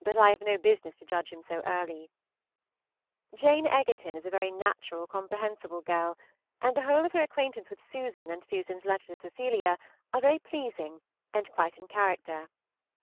But I have no business to judge him so early Jane Egerton is a very natural, comprehensible girl, and the whole of her acquaintance with Susan and Susan's letter to Cecilia are very pleasing and quite in character.